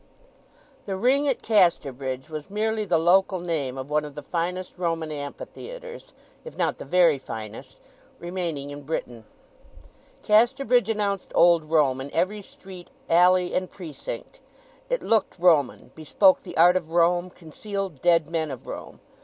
The Ring at Casterbridge was merely the local name of one of the finest Roman Amphitheatres, if not the very finest, remaining in Britain. Casterbridge announced old Rome in every street, alley, and precinct. It looked Roman, bespoke the art of Rome, concealed dead men of Rome.